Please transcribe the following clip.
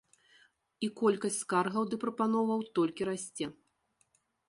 І колькасць скаргаў ды прапановаў толькі расце.